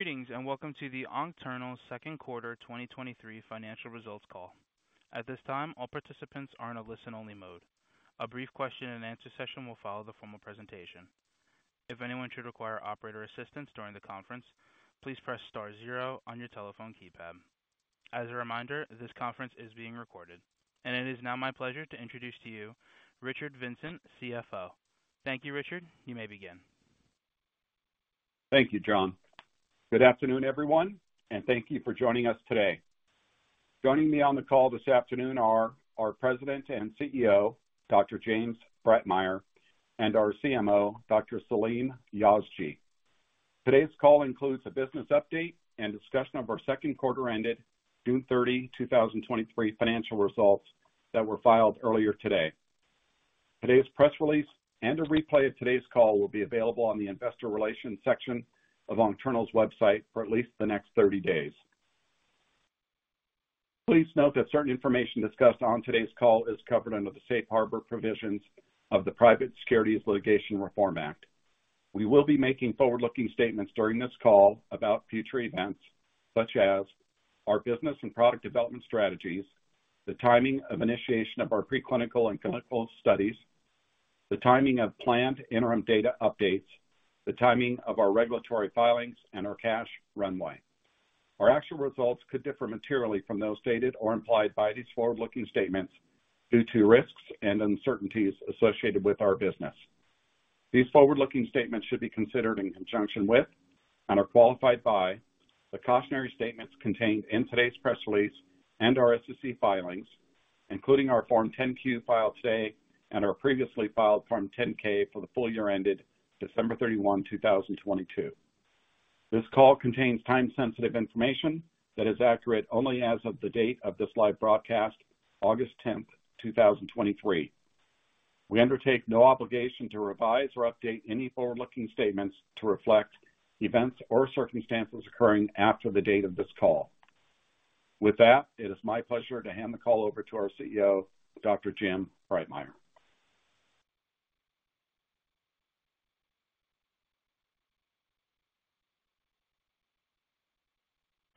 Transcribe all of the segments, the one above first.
Greetings, welcome to the Oncternal 2Q 2023 financial results call. At this time, all participants are in a listen-only mode. A brief question-and-answer session will follow the formal presentation. If anyone should require operator assistance during the conference, please press star zero on your telephone keypad. As a reminder, this conference is being recorded. It is now my pleasure to introduce to you Richard Vincent, CFO. Thank you, Richard. You may begin. Thank you, John. Good afternoon, everyone, and thank you for joining us today. Joining me on the call this afternoon are our President and CEO, Dr. James Breitmeyer, and our CMO, Dr. Salim Yazji. Today's call includes a business update and discussion of our second quarter ended June 30, 2023 financial results that were filed earlier today. Today's press release and a replay of today's call will be available on the investor relations section of Oncternal's website for at least the next 30 days. Please note that certain information discussed on today's call is covered under the safe harbor provisions of the Private Securities Litigation Reform Act. We will be making forward-looking statements during this call about future events, such as our business and product development strategies, the timing of initiation of our preclinical and clinical studies, the timing of planned interim data updates, the timing of our regulatory filings, and our cash runway. Our actual results could differ materially from those stated or implied by these forward-looking statements due to risks and uncertainties associated with our business. These forward-looking statements should be considered in conjunction with and are qualified by the cautionary statements contained in today's press release and our SEC filings, including our Form 10-Q filed today and our previously filed Form 10-K for the full year ended December 31, 2022. This call contains time-sensitive information that is accurate only as of the date of this live broadcast, August 10th, 2023. We undertake no obligation to revise or update any forward-looking statements to reflect events or circumstances occurring after the date of this call. With that, it is my pleasure to hand the call over to our CEO, Dr. Jim Breitmeyer.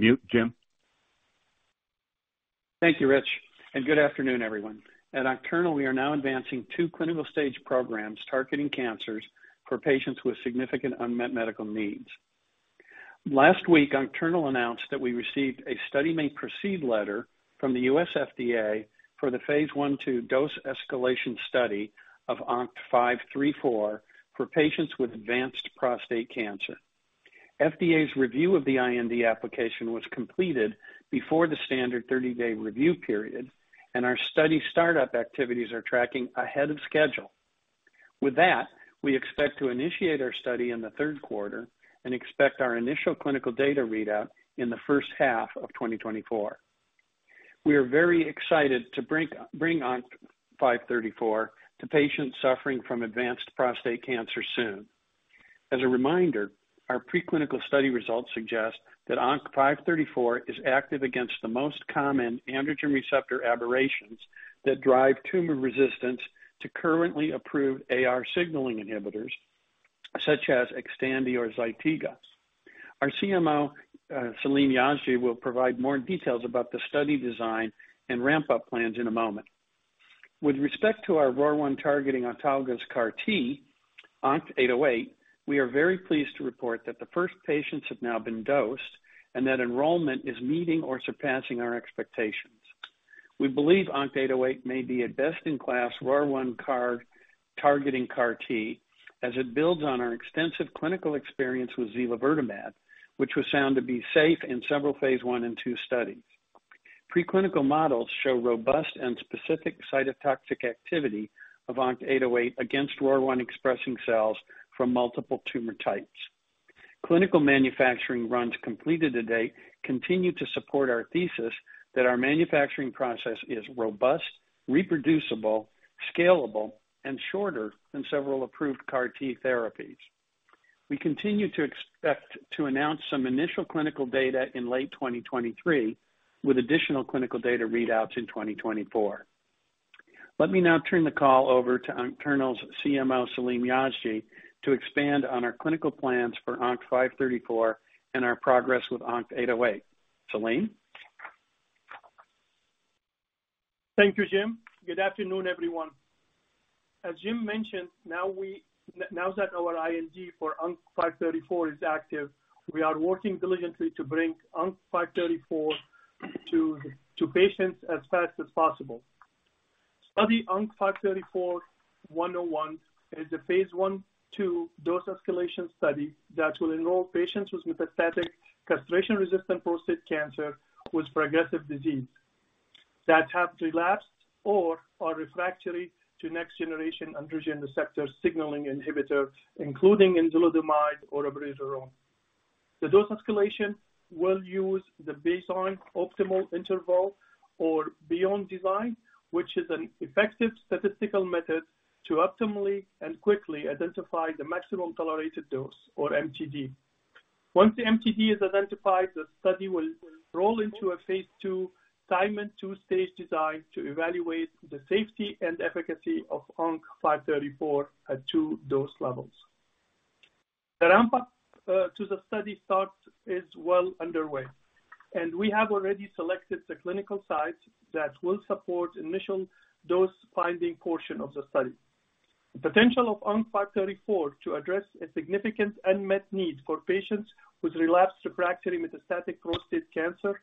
Mute, Jim. Thank you, Rich, and good afternoon, everyone. At Oncternal, we are now advancing two clinical stage programs targeting cancers for patients with significant unmet medical needs. Last week, Oncternal announced that we received a Study May Proceed letter from the U.S. FDA for the phase I/II dose escalation study of ONCT-534 for patients with advanced prostate cancer. FDA's review of the IND application was completed before the standard 30-day review period, and our study startup activities are tracking ahead of schedule. With that, we expect to initiate our study in the third quarter and expect our initial clinical data readout in the first half of 2024. We are very excited to bring, bring ONCT-534 to patients suffering from advanced prostate cancer soon. As a reminder, our preclinical study results suggest that ONCT-534 is active against the most common androgen receptor aberrations that drive tumor resistance to currently approved AR signaling inhibitors, such as Xtandi or Zytiga. Our CMO, Salim Yazji, will provide more details about the study design and ramp-up plans in a moment. With respect to our ROR1-targeting autologous CAR T, ONCT-808, we are very pleased to report that the first patients have now been dosed and that enrollment is meeting or surpassing our expectations. We believe ONCT-808 may be a best-in-class ROR1-targeting CAR T, as it builds on our extensive clinical experience with zilovertamab, which was found to be safe in several phase I and II studies. Preclinical models show robust and specific cytotoxic activity of ONCT-808 against ROR1-expressing cells from multiple tumor types. Clinical manufacturing runs completed to date continue to support our thesis that our manufacturing process is robust, reproducible, scalable, and shorter than several approved CAR T therapies. We continue to expect to announce some initial clinical data in late 2023, with additional clinical data readouts in 2024. Let me now turn the call over to Oncternal's CMO, Salim Yazji, to expand on our clinical plans for ONCT-534 and our progress with ONCT-808. Salim? Thank you, Jim. Good afternoon, everyone. As Jim mentioned, now that our IND for ONCT-534 is active, we are working diligently to bring ONCT-534 to patients as fast as possible. Study ONCT-534-101 is a phase I/II dose-escalation study that will enroll patients with metastatic castration-resistant prostate cancer with progressive disease that have relapsed or are refractory to next generation androgen receptor signaling inhibitor, including enzalutamide or abiraterone. The dose escalation will use the Bayesian optimal interval or BOIN design, which is an effective statistical method to optimally and quickly identify the maximum tolerated dose, or MTD. Once the MTD is identified, the study will roll into a phase II, Simon two-stage design to evaluate the safety and efficacy of ONCT-534 at two dose levels. The ramp up to the study start is well underway, and we have already selected the clinical sites that will support initial dose-finding portion of the study. The potential of ONCT-534 to address a significant unmet need for patients with relapsed refractory metastatic prostate cancer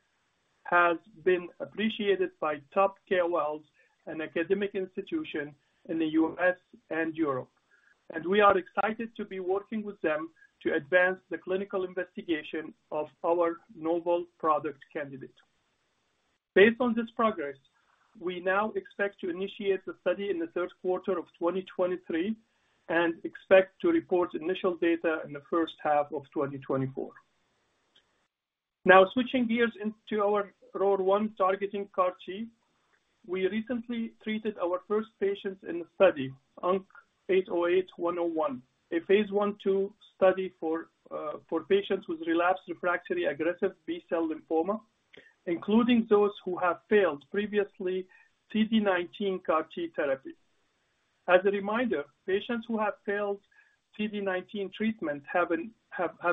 has been appreciated by top KOLs and academic institutions in the U.S. and Europe. We are excited to be working with them to advance the clinical investigation of our novel product candidate. Based on this progress, we now expect to initiate the study in the third quarter of 2023 and expect to report initial data in the first half of 2024. Switching gears into our ROR1-targeting CAR T, we recently treated our first patients in the study, ONCT-808-101, a phase I/II study for patients with relapsed refractory aggressive B-cell lymphoma, including those who have failed previously CD19 CAR T therapy. As a reminder, patients who have failed CD19 treatment have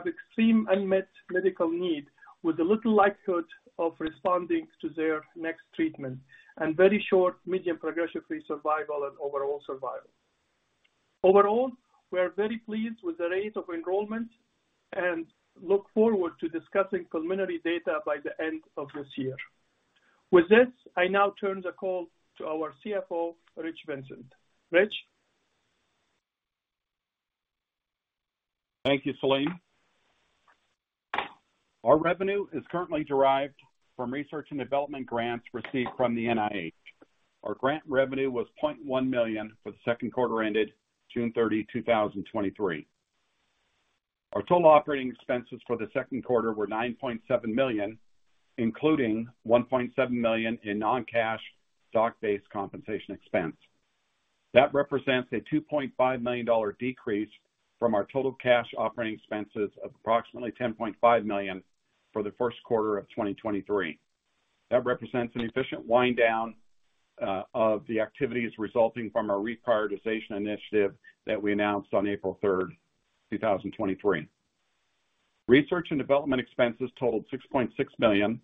extreme unmet medical need, with a little likelihood of responding to their next treatment, and very short median progression-free survival and overall survival. Overall, we are very pleased with the rate of enrollment and look forward to discussing preliminary data by the end of this year. With this, I now turn the call to our CFO, Rich Vincent. Rich? Thank you, Salim. Our revenue is currently derived from research and development grants received from the NIH. Our grant revenue was $0.1 million for the second quarter ended June 30, 2023. Our total operating expenses for the second quarter were $9.7 million, including $1.7 million in non-cash stock-based compensation expense. That represents a $2.5 million decrease from our total cash operating expenses of approximately $10.5 million for the first quarter of 2023. That represents an efficient wind down of the activities resulting from our reprioritization initiative that we announced on April 3, 2023. Research and development expenses totaled $6.6 million,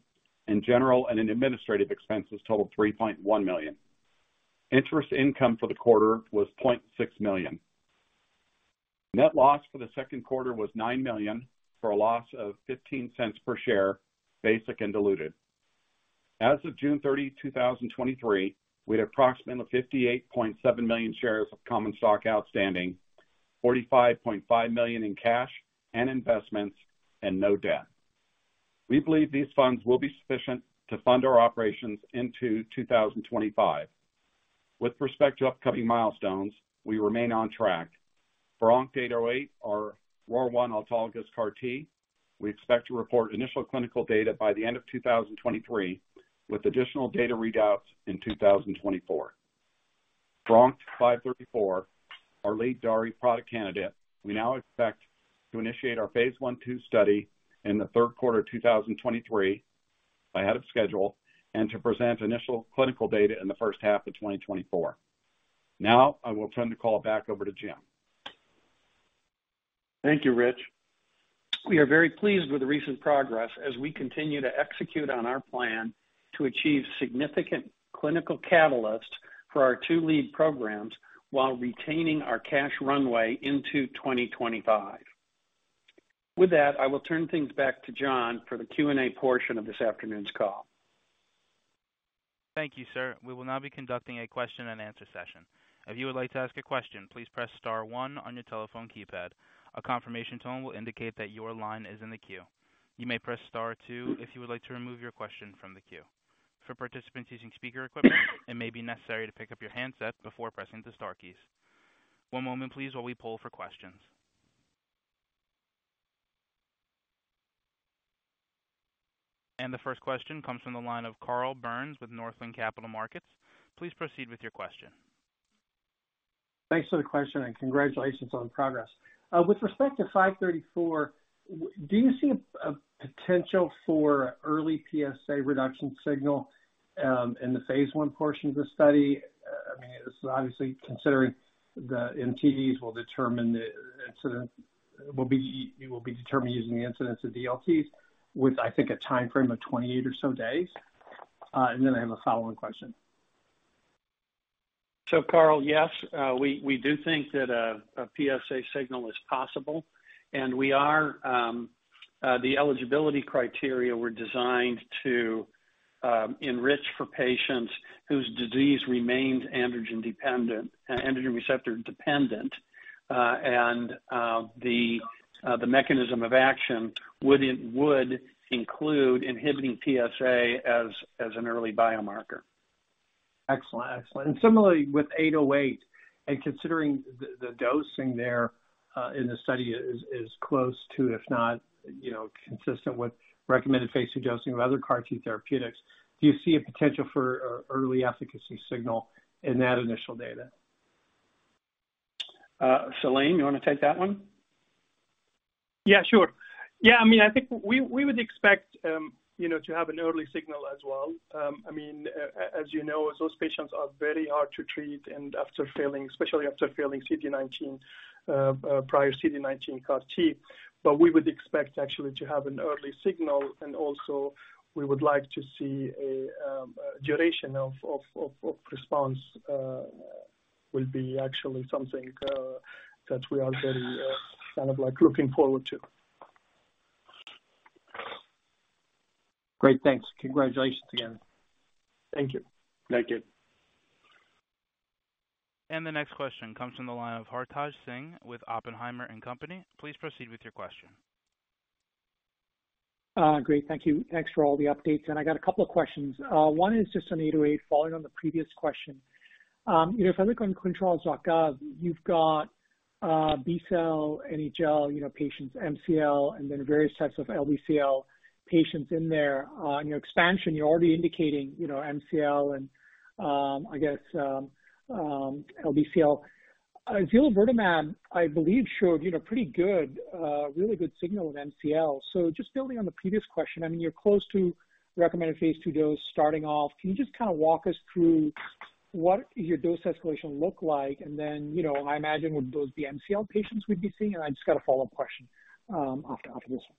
and general and administrative expenses totaled $3.1 million. Interest income for the quarter was $0.6 million. Net loss for the second quarter was $9 million, for a loss of $0.15 per share, basic and diluted. As of June 30, 2023, we had approximately 58.7 million shares of common stock outstanding, $45.5 million in cash and investments, and no debt. We believe these funds will be sufficient to fund our operations into 2025. With respect to upcoming milestones, we remain on track. For ONCT-808, our ROR1 autologous CAR T, we expect to report initial clinical data by the end of 2023, with additional data readouts in 2024. For ONCT-534, our lead DARI product candidate, we now expect to initiate our phase I/II study in the third quarter of 2023, ahead of schedule, and to present initial clinical data in the first half of 2024. Now, I will turn the call back over to Jim. Thank you, Rich. We are very pleased with the recent progress as we continue to execute on our plan to achieve significant clinical catalysts for our two lead programs while retaining our cash runway into 2025. With that, I will turn things back to John for the Q&A portion of this afternoon's call. Thank you, sir. We will now be conducting a question-and-answer session. If you would like to ask a question, please press star one on your telephone keypad. A confirmation tone will indicate that your line is in the queue. You may press star two if you would like to remove your question from the queue. For participants using speaker equipment, it may be necessary to pick up your handset before pressing the star keys. One moment, please, while we poll for questions. The first question comes from the line of Carl Byrnes with Northland Capital Markets. Please proceed with your question. Thanks for the question, and congratulations on the progress. With respect to ONCT-534, do you see a potential for early PSA reduction signal in the phase I portion of the study? I mean, this is obviously considering the MTDs will be, will be determined using the incidence of DLTs, with, I think, a timeframe of 28 or so days. Then I have a follow-on question. Carl, yes, we, we do think that a, a PSA signal is possible, and we are, the eligibility criteria were designed to enrich for patients whose disease remains androgen-dependent, androgen receptor-dependent. The mechanism of action would include inhibiting PSA as, as an early biomarker. Excellent, excellent. Similarly, with 808, and considering the, the dosing there, in the study is, is close to, if not, you know, consistent with recommended phase II dosing of other CAR T therapeutics, do you see a potential for early efficacy signal in that initial data? Salim, you want to take that one? Yeah, sure. Yeah, I mean, I think we, we would expect, you know, to have an early signal as well. I mean, as you know, those patients are very hard to treat, and after failing, especially after failing CD19, prior CD19 CAR T. We would expect actually to have an early signal, and also we would like to see a duration of, of, of, of response will be actually something that we are very kind of like looking forward to. Great, thanks. Congratulations again. Thank you. Thank you. The next question comes from the line of Hartaj Singh with Oppenheimer & Co. Please proceed with your question. Great, thank you. Thanks for all the updates, and I got a couple of questions. One is just on ONCT-808, following on the previous question. You know, if I look on ClinicalTrials.gov, you've got B-cell, NHL, you know, patients, MCL, and then various types of LBCL patients in there. In your expansion, you're already indicating, you know, MCL and, I guess, LBCL. Zilovertamab, I believe, showed, you know, pretty good, really good signal with MCL. Just building on the previous question, I mean, you're close to recommended phase II dose starting off. Can you just kind of walk us through what your dose escalation look like? Then, you know, I imagine would those be MCL patients we'd be seeing? I just got a follow-up question, after, after this one.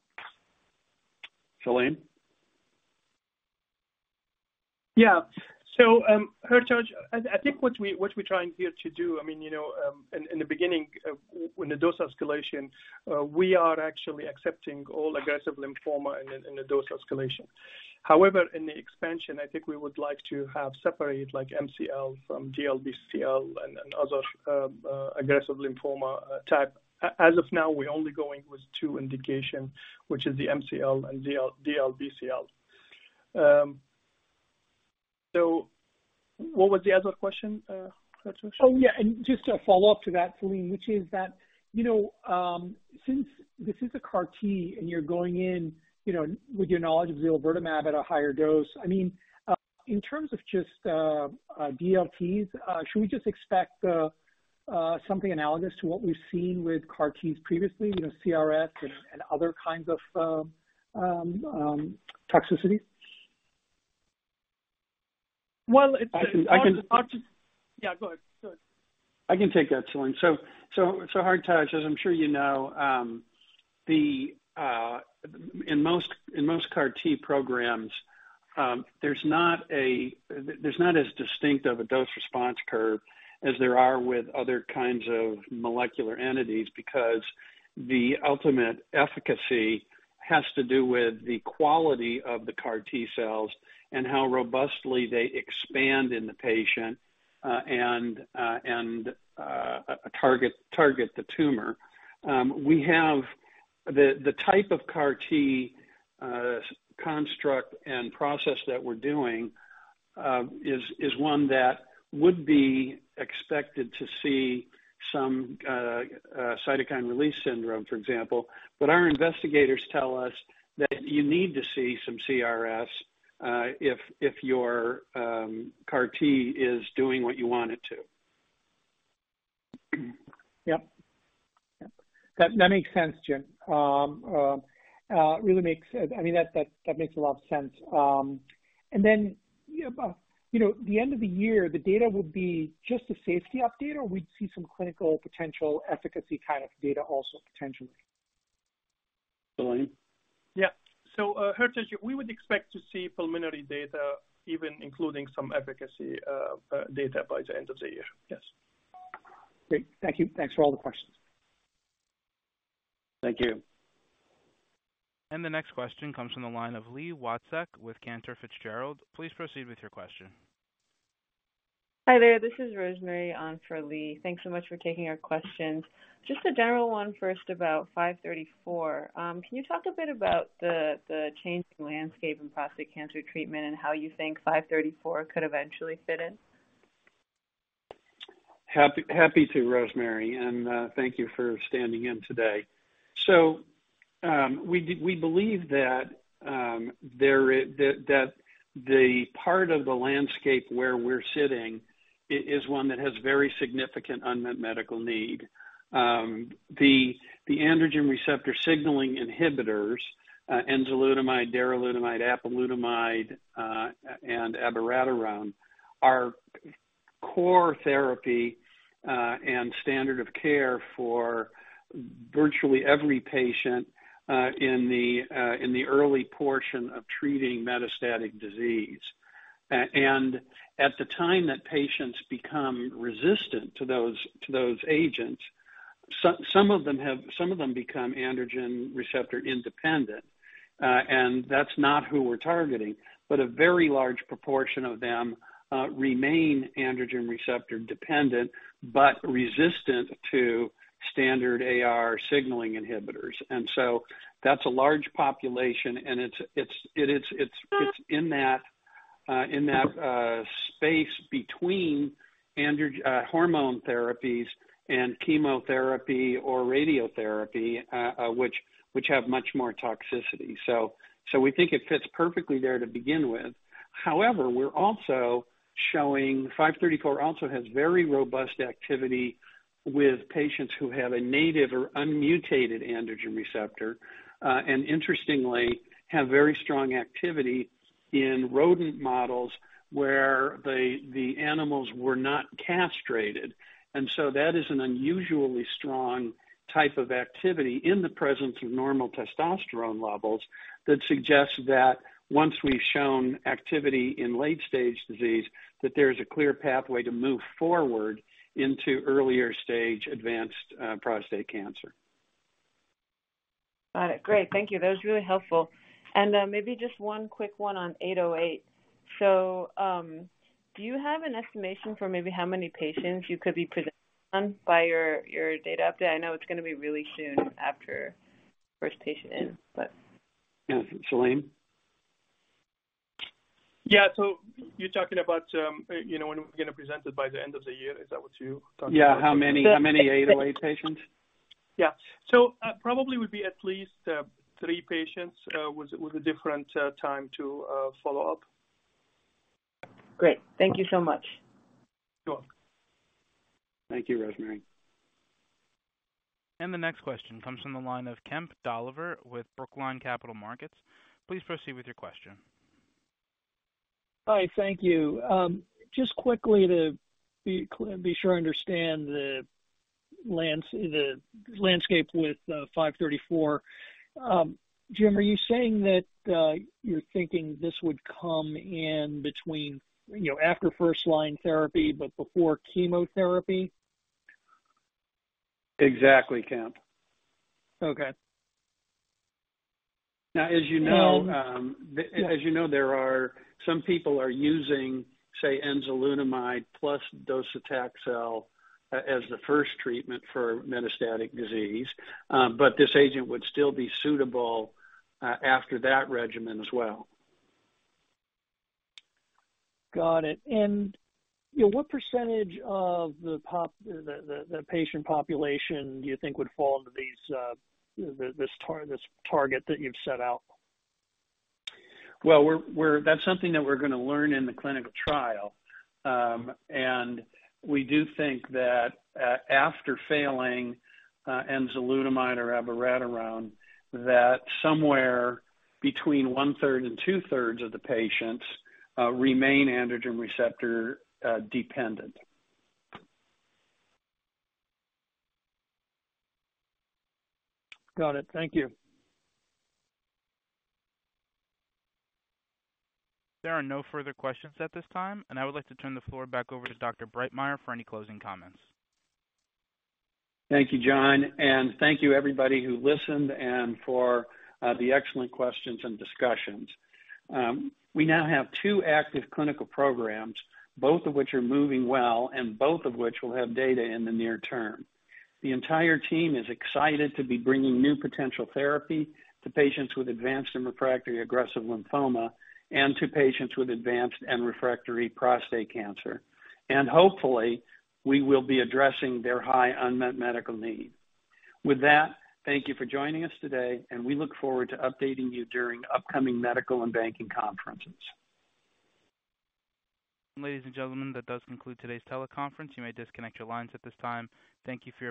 Salim? So, Hartaj, I, I think what we, what we're trying here to do, I mean, you know, in, in the beginning of, when the dose escalation, we are actually accepting all aggressive lymphoma in the, in the dose escalation. In the expansion, I think we would like to have separate, like, MCL from DLBCL and, and other aggressive lymphoma type. As of now, we're only going with two indication, which is the MCL and DLBCL. What was the other question, Hartaj? Oh, yeah, and just a follow-up to that, Salim, which is that, you know, since this is a CAR T and you're going in, you know, with your knowledge of zilovertamab at a higher dose, I mean, in terms of just DLTs, should we just expect something analogous to what we've seen with CAR Ts previously, you know, CRS and, and other kinds of toxicity? Well. I can, I can- Yeah, go ahead. Go ahead. I can take that, Salim. Hartaj, as I'm sure you know, in most, in most CAR T programs, there's not a, there's not as distinct of a dose-response curve as there are with other kinds of molecular entities, because the ultimate efficacy has to do with the quality of the CAR T cells and how robustly they expand in the patient, and target the tumor. We have the type of CAR T construct and process that we're doing, is one that would be expected to see some cytokine release syndrome, for example. Our investigators tell us that you need to see some CRS, if your CAR T is doing what you want it to. Yep. Yep, that, that makes sense, Jim. really makes, I mean, that, that, that makes a lot of sense. Then, yeah, you know, the end of the year, the data would be just a safety update, or we'd see some clinical potential efficacy kind of data also, potentially? Salim? Yeah. Hartaj, we would expect to see preliminary data, even including some efficacy, data by the end of the year. Yes. Great. Thank you. Thanks for all the questions. Thank you. The next question comes from the line of Li Watsek with Cantor Fitzgerald. Please proceed with your question. Hi, there. This is Rosemary on for Li. Thanks so much for taking our questions. Just a general one first about 534. Can you talk a bit about the, the changing landscape in prostate cancer treatment and how you think 534 could eventually fit in? Happy, happy to, Rosemary, and thank you for standing in today. We believe that there is. That the part of the landscape where we're sitting is one that has very significant unmet medical need. The androgen receptor signaling inhibitors, enzalutamide, darolutamide, apalutamide, and abiraterone, are core therapy and standard of care for virtually every patient in the early portion of treating metastatic disease. At the time that patients become resistant to those, to those agents, some of them become androgen receptor independent, and that's not who we're targeting. But a very large proportion of them remain androgen receptor dependent, but resistant to standard AR signaling inhibitors. So that's a large population, and it's, it's, it is, it's, it's in that, in that space between andro- hormone therapies and chemotherapy or radiotherapy, which, which have much more toxicity. So, we think it fits perfectly there to begin with. However, we're also- showing ONCT-534 also has very robust activity with patients who have a native or unmutated androgen receptor, and interestingly, have very strong activity in rodent models where the, the animals were not castrated. So that is an unusually strong type of activity in the presence of normal testosterone levels that suggest that once we've shown activity in late-stage disease, that there is a clear pathway to move forward into earlier-stage advanced prostate cancer. Got it. Great. Thank you. That was really helpful. Maybe just one quick one on 808. Do you have an estimation for maybe how many patients you could be presenting on by your, your data update? I know it's gonna be really soon after first patient in, but. Yeah. Salim? Yeah. You're talking about, you know, when we're gonna present it by the end of the year, is that what you're talking about? Yeah. How many, how many ONCT-808 patients? Yeah. probably would be at least three patients with, with a different time to follow up. Great. Thank you so much. You're welcome. Thank you, Rosemary. The next question comes from the line of Kemp Dolliver with Brookline Capital Markets. Please proceed with your question. Hi, thank you. Just quickly to be sure I understand the landscape with 534. Jim, are you saying that you're thinking this would come in between, you know, after first line therapy but before chemotherapy? Exactly, Kemp. Okay. Now, as you know, as you know, there are, some people are using, say, enzalutamide plus docetaxel as the first treatment for metastatic disease. This agent would still be suitable, after that regimen as well. Got it. You know, what percentage of the patient population do you think would fall into these, this target that you've set out? Well, we're, we're That's something that we're gonna learn in the clinical trial. We do think that after failing enzalutamide or abiraterone, that somewhere between one-third and two-thirds of the patients remain androgen receptor dependent. Got it. Thank you. There are no further questions at this time. I would like to turn the floor back over to Dr. Breitmeyer for any closing comments. Thank you, John, and thank you everybody who listened and for the excellent questions and discussions. We now have two active clinical programs, both of which are moving well and both of which will have data in the near term. The entire team is excited to be bringing new potential therapy to patients with advanced and refractory aggressive lymphoma and to patients with advanced and refractory prostate cancer. Hopefully, we will be addressing their high unmet medical need. With that, thank you for joining us today, and we look forward to updating you during upcoming medical and banking conferences. Ladies and gentlemen, that does conclude today's teleconference. You may disconnect your lines at this time. Thank you for your participation.